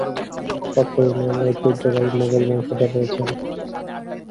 অত্র ইউনিয়নে ঐতিহ্যবাহী মোগল বংশধর রয়েছেন।